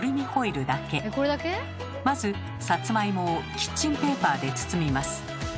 まずサツマイモをキッチンペーパーで包みます。